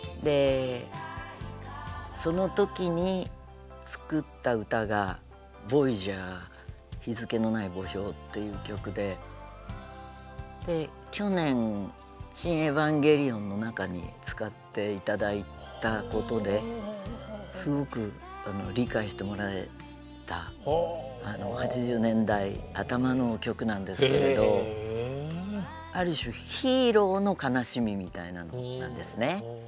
その時に作った歌が「ＶＯＹＡＧＥＲ日付のない墓標」という曲で去年「シン・エヴァンゲリオン」の中に使って頂いたことですごく理解してもらえた８０年代頭の曲なんですけれどある種ヒーローの悲しみみたいなのなんですね。